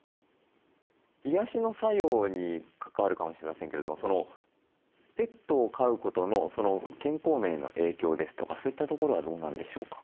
癒やしの作用に関わるかもしれませんけれどもペットを飼うことの健康面への影響ですとかそういったところはどうなんでしょうか？